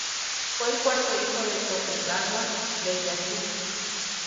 Fue el cuarto hijo de Tokugawa Ieyasu.